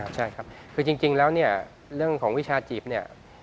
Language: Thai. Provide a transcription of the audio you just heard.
ใช่ครับคือจริงแล้วเนี่ยเรื่องของวิชาจีบเนี่ย